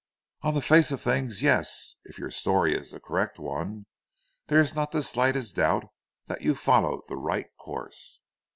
"On the face of things yes! If your story is the correct one there is not the slightest doubt that you followed the right course."